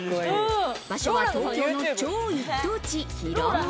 場所は東京の超一等地、広尾。